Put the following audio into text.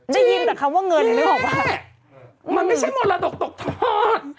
ได้ยินแต่คำว่าเงินอยู่ในหัวพี่แม่มันไม่ใช่มรดกตกทอด